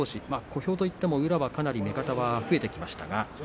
小兵と言っても宇良はかなり目方、増えてきました。